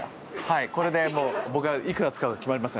これで僕が幾ら使うか決まります。